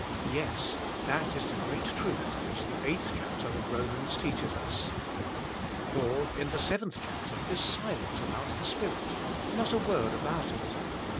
Yes, that is the g reat truth which the eig hth chapter of Romans teaches us. Paul, in the seventh chapter, is silent about the Spirit, not a word abrut it.